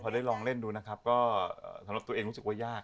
พอได้ลองเล่นดูนะครับก็สำหรับตัวเองรู้สึกว่ายาก